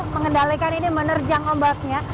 mengendalikan ini menerjang ombaknya